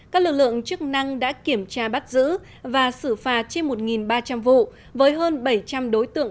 các lực lượng chức năng đã kiểm tra bắt giữ và xử phạt trên một ba trăm linh vụ với hơn bảy trăm linh đối tượng